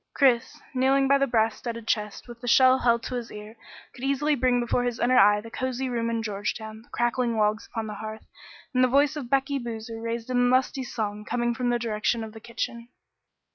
Chris, kneeling by the brass studded chest with the shell held to his ear, could easily bring before his inner eye the cosy room in Georgetown, the crackling logs upon the hearth, and the voice of Becky Boozer raised in lusty song coming from the direction of the kitchen.